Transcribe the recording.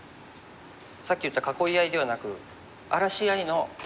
さっき言った囲い合いではなく荒らし合いの。